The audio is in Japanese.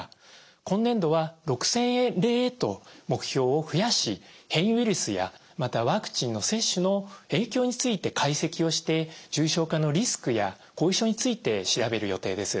今年度は６，０００例へと目標を増やし変異ウイルスやまたワクチンの接種の影響について解析をして重症化のリスクや後遺症について調べる予定です。